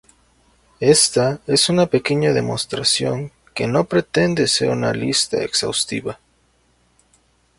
Ésta es una pequeña demostración que no pretende ser una lista exhaustiva.